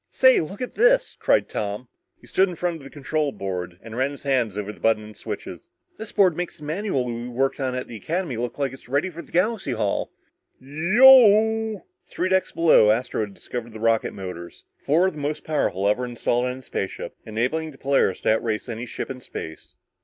"Say look at this!" cried Tom. He stood in front of the control board and ran his hands over the buttons and switches. "This board makes the manual we worked on at the Academy look like it's ready for Galaxy Hall!" "Yeeeooooooww!" Three decks below, Astro had discovered the rocket motors. Four of the most powerful ever installed on a spaceship, enabling the Polaris to outrace any ship in space.